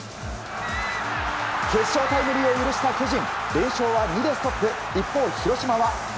決勝タイムリーを許した巨人。